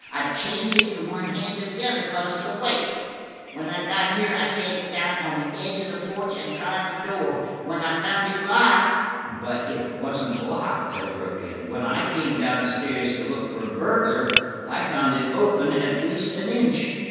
I changed it from one hand to the other because of the weight. When I got here I set it down on the edge of the porch and tried the door. When I found it locked–" "But it wasn't locked," I broke in. "When I came down stairs to look for a burglar, I found it open at least an inch."